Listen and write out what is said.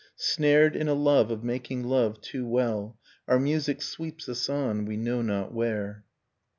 — Snared in a love of making love too well. Our music sweeps us on, we know not where.